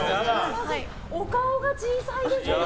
お顔が小さいですね！